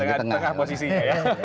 di tengah posisinya ya